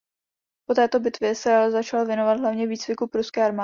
Po této bitvě se ale začal věnovat hlavně výcviku pruské armády.